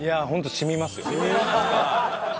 染みますか。